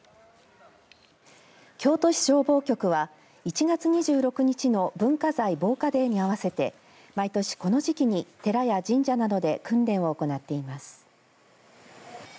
京都市消防局は１月２６日の文化財防火デーに合わせて毎年この時期に寺や神社などで訓練を行っています。